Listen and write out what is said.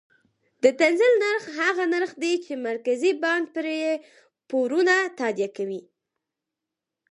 د تنزیل نرخ هغه نرخ دی چې مرکزي بانک پرې پورونه تادیه کوي.